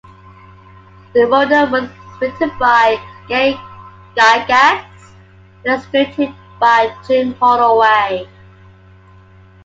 The module was written by Gary Gygax and illustrated by Jim Holloway.